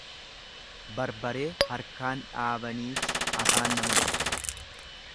Barbaree harkaan dhaabaniit afaan nama gubdi.